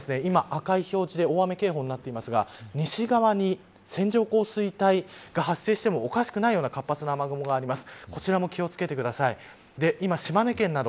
長崎県は今、赤い表示で大雨警報になっていますが西側に線状降水帯が発生してもおかしくないような活発な雨雲があります。